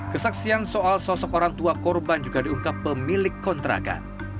kesaksian soal sosok orang tua korban juga diungkap pemilik kontrakan